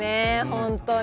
本当に。